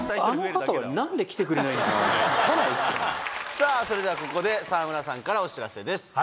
さぁそれではここで沢村さんからお知らせです。